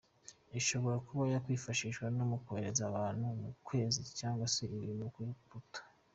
Ishobora kuba yakwifashishwa mu kohereza abantu ku kwezi cyangwa se ibintu kuri Pluto.